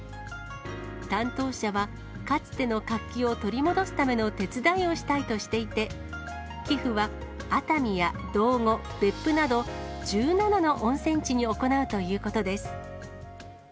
担当者はかつての活気を取り戻すための手伝いをしたいとしていて、寄付は熱海や道後、別府など、１７の温泉地に行うということです。